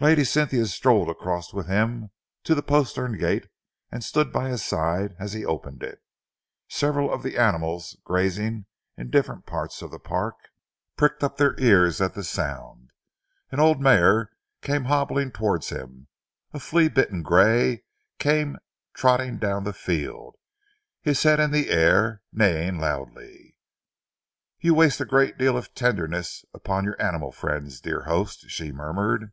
Lady Cynthia strolled across with him to the postern gate and stood by his side after he had opened it. Several of the animals, grazing in different parts of the park, pricked up their ears at the sound. An old mare came hobbling towards him; a flea bitten grey came trotting down the field, his head in the air, neighing loudly. "You waste a great deal of tenderness upon your animal friends, dear host," she murmured.